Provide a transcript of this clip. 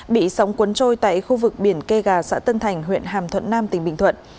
bị sóng cuốn trôi tại khu vực biển kê gà xã tân thành huyện hàm thuận nam tỉnh bình thuận